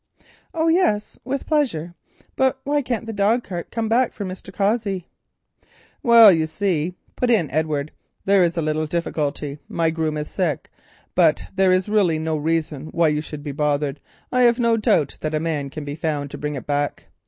"Oh yes, with pleasure. But why can't the dogcart come back for Mr. Cossey?" "Well, you see," put in Edward, "there is a little difficulty; my groom is ill. But there is really no reason why you should be bothered. I have no doubt that a man can be found to bring it back."